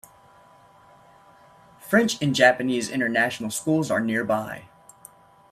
French and Japanese International Schools are nearby.